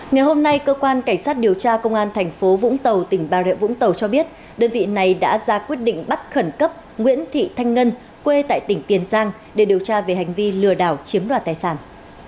ngày hôm nay cơ quan cảnh sát điều tra công an thành phố vũng tàu tỉnh bà rịa vũng tàu cho biết đơn vị này đã ra quyết định bắt khẩn cấp nguyễn thị thanh ngân quê tại tỉnh tiền giang để điều tra về hành vi lừa đảo chiếm đoạt tài sản